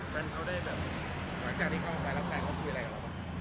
แฟนเขาได้แบบในการที่เข้ามารับแทนเขาคุยอะไรกันหรือเปล่า